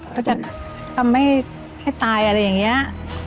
เขาจะทำให้ให้ตายอะไรอย่างนี้